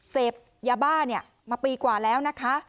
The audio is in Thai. เสพยาบ้ามาปีกว่าแล้วนะคะ